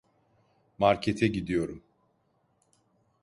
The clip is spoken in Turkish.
Markete gidiyorum.